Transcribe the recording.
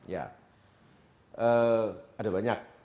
ya ada banyak